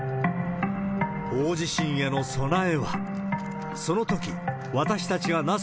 大地震への備えは。